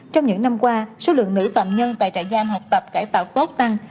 trong những năm qua số lượng nữ toàn nhân tại trại giam học tập cải tạo tốt tăng